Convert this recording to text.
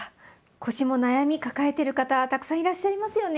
腰も悩み抱えてる方たくさんいらっしゃいますよね。